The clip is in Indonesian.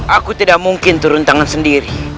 aku tidak mungkin turun tangan sendiri